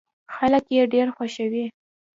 خلک يې ډېر خوښوي.